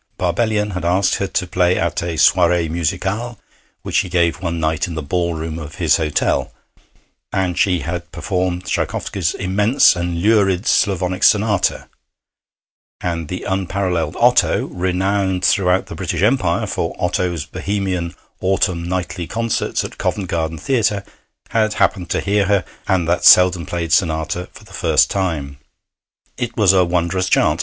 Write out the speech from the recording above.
Barbellion had asked her to play at a 'soirée musicale' which he gave one night in the ball room of his hotel, and she had performed Tschaikowsky's immense and lurid Slavonic Sonata; and the unparalleled Otto, renowned throughout the British Empire for Otto's Bohemian Autumn Nightly Concerts at Covent Garden Theatre, had happened to hear her and that seldom played sonata for the first time. It was a wondrous chance.